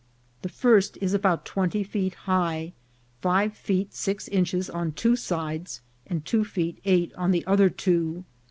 The first is about twenty feet high, five feet six inch es on two sides, and two feet eight on the other two.